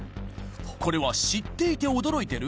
これは知っていて驚いてる？